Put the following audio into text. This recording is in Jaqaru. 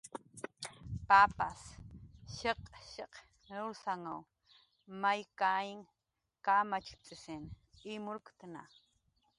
Papas shiq'shiq' nursanw may kayn kamacht'isn imurktna.